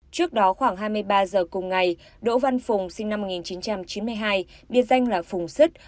trước đó khoảng hai mươi ba h cùng ngày đỗ văn phùng sinh năm một nghìn chín trăm chín mươi hai bia danh là phùng sứt